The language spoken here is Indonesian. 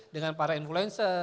dengan para influencer